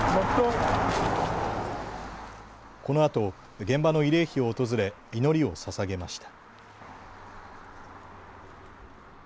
このあと、現場の慰霊碑を訪れ祈りをささげました。